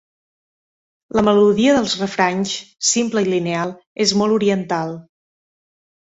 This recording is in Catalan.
La melodia dels refranys, simple i lineal, és molt oriental.